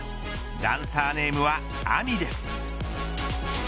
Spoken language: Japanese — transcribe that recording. ダンサーネームはＡｍｉです。